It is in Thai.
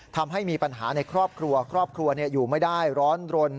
ทำให้มีปัญหาในครอบครัวครอบครัวอยู่ไม่ได้ร้อนรน